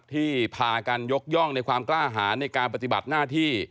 ที่พากันยกย่องในความกล้าหารในการปฏิบัติหน้าที่